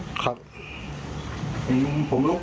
ปืนมันลั่นไปใส่แฟนสาวเขาก็ยังยันกับเราเหมือนเดิมแบบนี้นะคะ